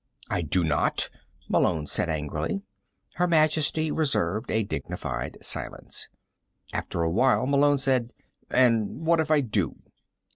"I do not," Malone said angrily. Her Majesty reserved a dignified silence. After a while Malone said: "And what if I do?"